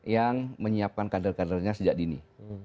yang menyiapkan kader kadernya sejak dini